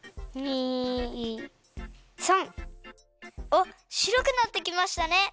あっしろくなってきましたね！